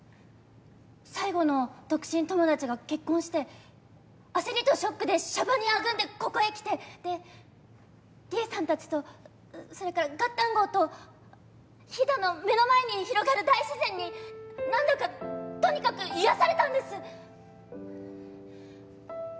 最後の独身友達が結婚して焦りとショックでしゃばにあぐんでここへ来てで里恵さんたちとそれからガッタンゴーと飛騨の目の前に広がる大自然に何だかとにかく癒やされたんです！